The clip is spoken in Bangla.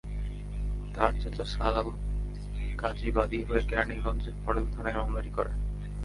তার চাচা সালাল কাজী বাদী হয়ে কেরানীগঞ্জ মডেল থানায় মামলাটি করেন।